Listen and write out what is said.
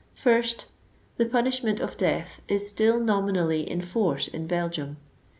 First; the punishment of de«uh is still nominally in force in Belgium.